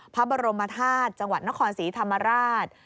พระบรมธาตุจังหวัดนครศรีธรรมราช